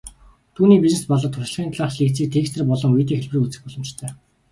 Түүний бизнес болоод туршлагын талаарх лекцийг текстээр болон видео хэлбэрээр үзэх боломжтой.